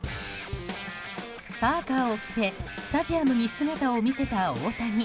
パーカを着てスタジアムに姿を見せた大谷。